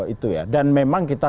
itu ya dan memang kita